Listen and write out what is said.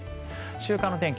週間の天気